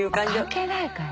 関係ないから。